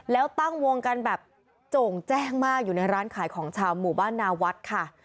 แล้วตั้งวงกันแบบโจ่งแจ้งมากอยู่ในร้านขายของชาวหมู่บ้านนาวัดค่ะ